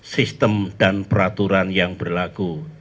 sistem dan peraturan yang berlaku